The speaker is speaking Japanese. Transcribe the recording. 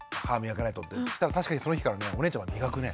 そしたら確かにその日からお姉ちゃんは磨くね。